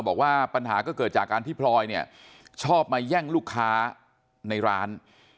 บอกว่าปัญหาก็เกิดจากการที่พลอยเนี่ยชอบมาแย่งลูกค้าในร้าน